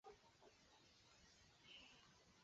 阿格里皮娜成了反提贝里乌斯一派的重要人物。